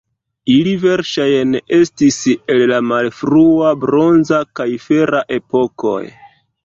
Ili verŝajne estis el la malfrua bronza kaj fera epokoj.